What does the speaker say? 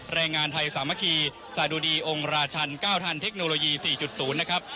แรงงานไทยสามัคคีสาดุดีองค์ราชันเก้าทันเทคโนโลยีสี่จุดศูนย์นะครับ